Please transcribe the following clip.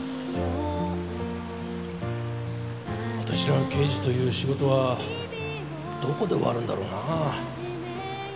私ら刑事という仕事はどこで終わるんだろうなあ。